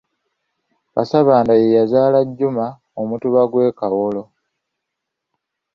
Kaasabbanda ye yazaala Juma Omutuba gw'e Kawolo.